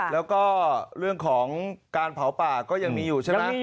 แล้วก็เรื่องของการเผาป่าก็ยังมีอยู่ใช่ไหม